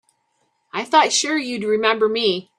I thought sure you'd remember me.